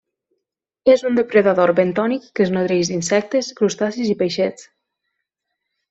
És un depredador bentònic que es nodreix d'insectes, crustacis i peixets.